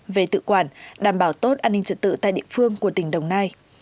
về tự quản đảm bảo tốt an ninh trật tự tại địa phương của tỉnh đồng nai